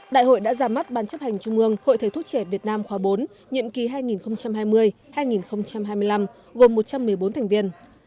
đại hội đã ra mắt ban chấp hành trung ương hội thầy thuốc trẻ việt nam khóa bốn nhiệm kỳ hai nghìn hai mươi hai nghìn hai mươi năm gồm một trăm một mươi bốn thành viên